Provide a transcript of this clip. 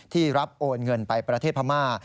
รับโอนเงินไปประเทศพม่า